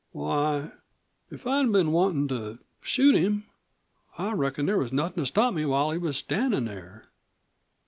Why, if I'd been wantin' to shoot him I reckon there was nothin' to stop me while he was standin' there.